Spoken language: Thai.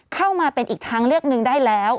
เข้ามาเป็นอีกทางเลือกหนึ่งได้แล้ว